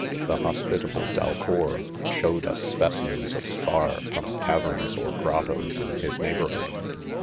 ' The hospitable Dalcour showed lis specimens of spar from caverns or grottos in % his neighborhood.